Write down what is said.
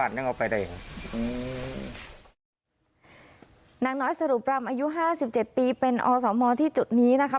อายุ๕๗ปีเป็นอสมที่จุดนี้นะครับ